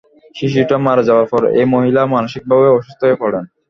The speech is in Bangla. শিশুটি মারা যাবার পর এই মহিলা মানসিকভাবে অসুস্থ হয়ে পড়েন।